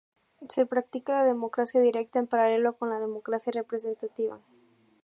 Se practica la democracia directa en paralelo con la democracia representativa.